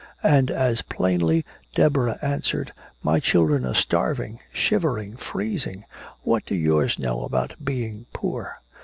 And as plainly Deborah answered, "My children are starving, shivering, freezing! What do yours know about being poor?"